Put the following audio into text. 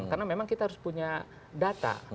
karena memang kita harus punya data